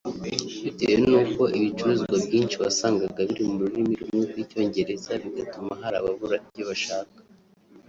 bitewe n’uko ibicuruzwa byinshi wasangaga biri mu rurimi rumwe rw’Icyongereza bigatuma hari ababura ibyo bashaka